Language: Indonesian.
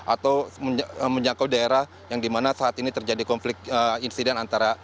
atau menjangkau daerah yang dimana saat ini terjadi konflik insiden antara